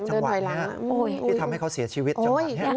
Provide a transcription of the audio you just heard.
จังหวะนี้ที่ทำให้เขาเสียชีวิตจังหวะนี้